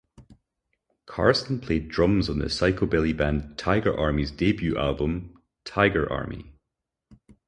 Carson played drums on the psychobilly band Tiger Army's debut album "Tiger Army".